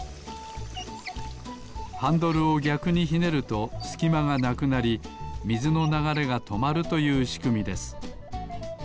ハンドルをぎゃくにひねるとすきまがなくなりみずのながれがとまるというしくみです